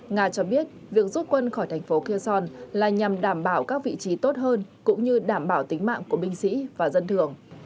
nga cho biết việc rút quân khỏi thành phố kiêuson là nhằm đảm bảo các vị trí tốt hơn cũng như đảm bảo tính mạng của binh sĩ và dân thường